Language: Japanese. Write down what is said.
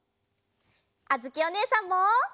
あづきおねえさんも！